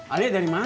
alia dari mana